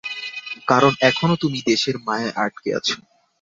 কারণ এখনো তুমি দেশের মায়ায় আটকে আছো।